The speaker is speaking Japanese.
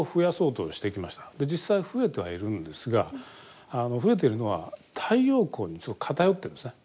で実際増えてはいるんですが増えているのは太陽光にちょっと偏ってるんですね。